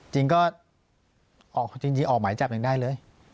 จริงจริงก็ออกหมายจับยังได้เลย